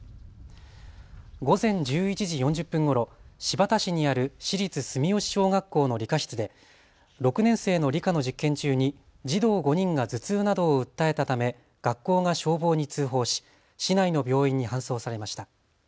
午前１１時４０分ごろ、新発田市にある市立住吉小学校の理科室で６年生の理科の実験中に児童５人が頭痛などを訴えたため学校が消防に通報し市内の病院に搬送されました。